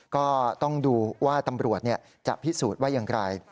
ก็ต้องดูว่าตำรวจจะพิสูจน์ว่าอย่างไร